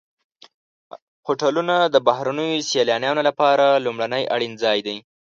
هوټلونه د بهرنیو سیلانیانو لپاره لومړنی اړین ځای دی.